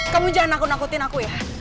kamu jangan nakut nakutin aku ya